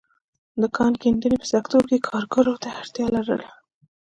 د کان کیندنې په سکتور کې کارګرو ته اړتیا لرله.